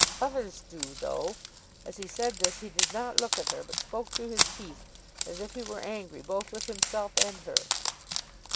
"Others do though." As he said this he did not look at her, but spoke through his teeth, as if he were angry both with himself and her.